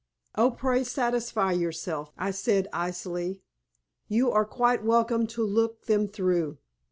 "Oh, pray satisfy yourself," I said, icily. "You are quite welcome to look them through."